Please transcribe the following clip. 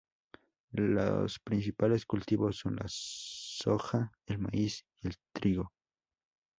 Los principales cultivos son la soja, el maíz y el trigo.